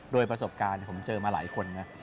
โดยประสบการณ์ผมเจอมาหลายคนนะ